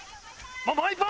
もう１本！